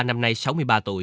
năm nay sáu mươi ba tuổi